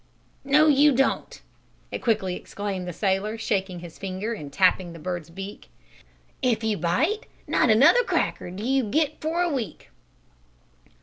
"No you don't!" quickly exclaimed the sailor, shaking his finger and tapping the bird's beak. "If you bite not another cracker do you get for a week!"